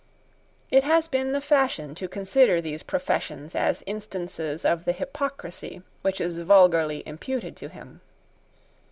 It has been the fashion to consider these professions as instances of the hypocrisy which is vulgarly imputed to him.